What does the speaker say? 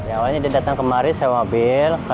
awalnya dia datang kemari sewa mobil